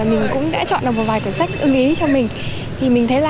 mình cũng đã chọn được một vài cuốn sách ưng ý cho mình